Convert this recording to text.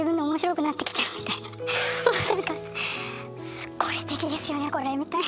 「すっごいすてきですよねこれ」みたいな。